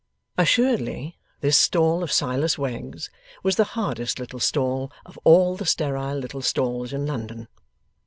Assuredly, this stall of Silas Wegg's was the hardest little stall of all the sterile little stalls in London.